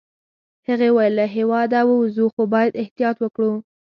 هغې وویل: له هیواده ووزو، خو باید احتیاط وکړو.